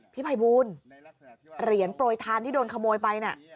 พี่ภัยบูลเหรียญโปรยทานที่โดนขโมยไปน่ะ